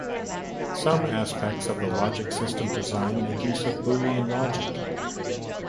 Some aspects of logic system design make use of Boolean logic.